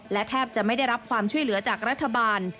และแทบจะไม่ได้รับความช่วยเหลือจากรัฐบาล